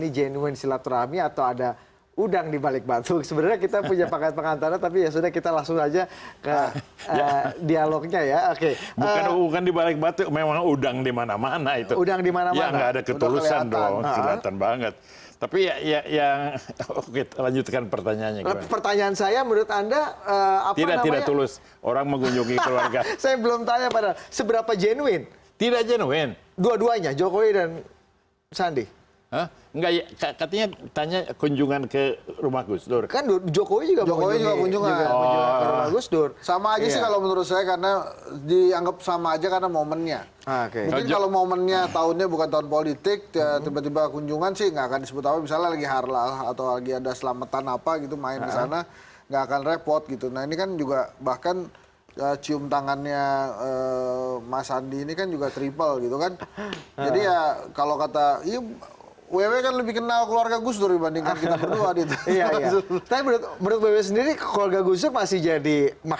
jokowi dan sandi